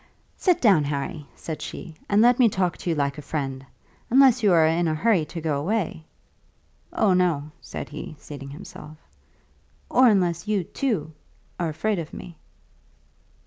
"Sit down, Harry," she said, "and let me talk to you like a friend; unless you are in a hurry to go away." "Oh, no," said he, seating himself. "Or unless you, too, are afraid of me."